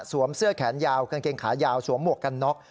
เสื้อแขนยาวกางเกงขายาวสวมหมวกกันน็อก